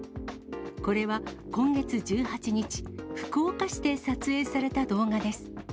これは今月１８日、福岡市で撮影された動画です。